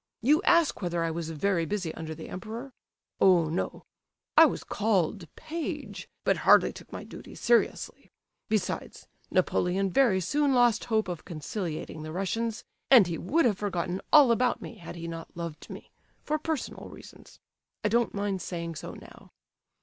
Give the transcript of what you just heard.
You ask whether I was very busy under the Emperor? Oh no! I was called 'page,' but hardly took my duty seriously. Besides, Napoleon very soon lost hope of conciliating the Russians, and he would have forgotten all about me had he not loved me—for personal reasons—I don't mind saying so now.